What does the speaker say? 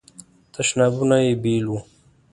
تشنابونه یې بیل وو.